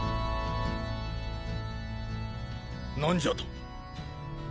何じゃと？